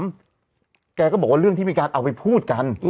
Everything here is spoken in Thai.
แกก็บอกว่าเรื่องที่มีการเอาไปพูดกัน